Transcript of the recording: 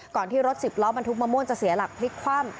ที่รถสิบล้อบรรทุกมะม่วงจะเสียหลักพลิกคว่ำ